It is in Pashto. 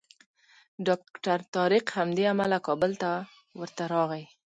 ډاکټر طارق همدې امله کابل ته ورته راغی.